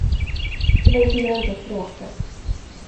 Det var inte lönt att bråka.